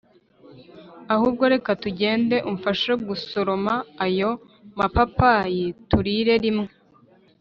ahubwo reka tugende umfashe gusoroma ayo mapapayi, turire rimwe.